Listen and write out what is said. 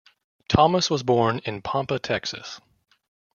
Thomas was born in Pampa, Texas.